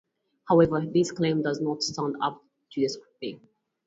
However, this claim does not stand up to scrutiny.